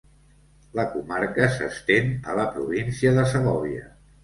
La comarca s'estén a la província de Segòvia.